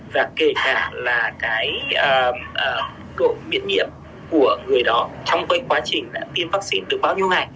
và kể cả là cái độ miễn nhiệm của người đó trong cái quá trình đã tiêm vaccine được bao nhiêu ngày v v